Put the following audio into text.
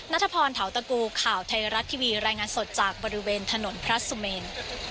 นัทพรเทาตะกูข่าวไทยรัฐทีวีรายงานสดจากบริเวณถนนพระสุเมน